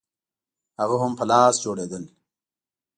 هغه هم په لاس جوړېدل